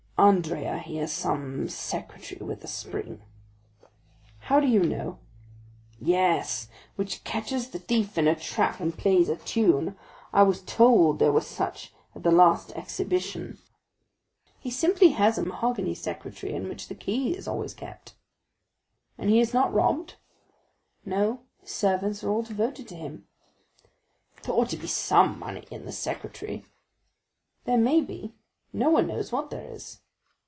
'" "Andrea, he has some secretaire with a spring." "How do you know?" "Yes, which catches the thief in a trap and plays a tune. I was told there were such at the last exhibition." "He has simply a mahogany secretaire, in which the key is always kept." "And he is not robbed?" "No; his servants are all devoted to him." "There ought to be some money in that secretaire?" "There may be. No one knows what there is."